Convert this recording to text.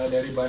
dari apel benar